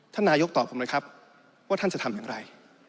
ท่านนายกตอบผมเลยครับว่าท่านจะทำอย่างไร